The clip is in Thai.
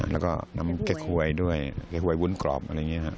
แล้วก็น้ำเก๊กหวยด้วยเก๊กหวยวุ้นกรอบอะไรอย่างนี้ครับ